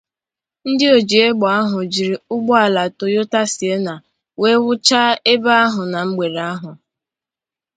ndị ojiegbe ahụ jiri ụlọala 'Toyota Sienna' wee wụchaa ebe ahụ na mgbede ahụ